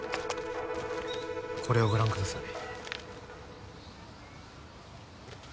これをご覧ください。